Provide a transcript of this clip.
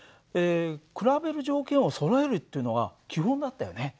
比べる条件をそろえるっていうのが基本だったよね。